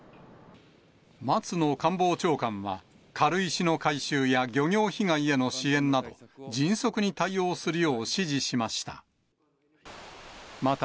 松野官房長官は、軽石の回収や漁業被害への支援など、迅速に対応するよう指示しました。